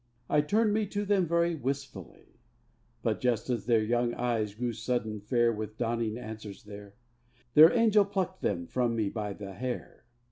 I turned me to them very wistfully; But, just as their young eyes grew sudden fair With dawning answers there, Their angel plucked them from me by the hair.